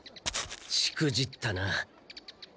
しくじったな。